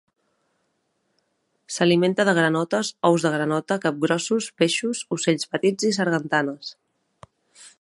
S'alimenta de granotes, ous de granota, capgrossos, peixos, ocells petits i sargantanes.